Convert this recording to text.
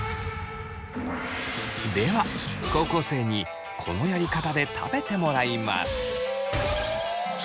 では高校生にこのやり方で食べてもらいます。